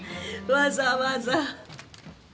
わざわざ。